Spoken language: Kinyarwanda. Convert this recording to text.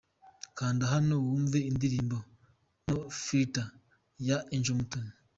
Kanda hano wumve indirimbo 'No filter' ya Angel Mutoni.